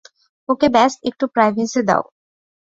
ওকে ব্যস একটু প্রাইভেসি দাও।